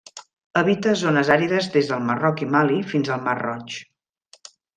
Habita zones àrides des del Marroc i Mali, fins al Mar Roig.